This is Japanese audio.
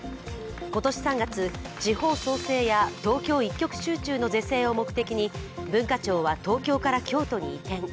今年３月、地方創生や東京一極集中の是正を目的に文化庁は東京から京都に移転。